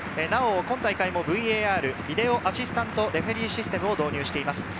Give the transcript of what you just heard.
なお今大会もＶＡＲ＝ビデオ・アシスタント・レフェリーシステムを導入しています。